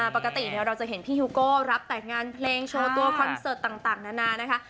ปกติเราจะเห็นพี่ฮูโก้รับแต่งงานเพลงโชว์ตัวคอนเสิร์ตต่างนานานะคะ